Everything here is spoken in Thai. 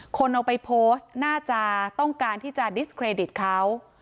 คนเอาไปโพสต์น่าจะต้องการที่จะดิสเครดิตเขา